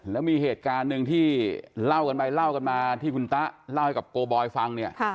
แล้วมีเหตุการณ์หนึ่งที่เล่ากันไปที่คุณต้าเล่าไว้กับกโกบอยฟัง